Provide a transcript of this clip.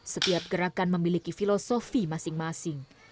setiap gerakan memiliki filosofi masing masing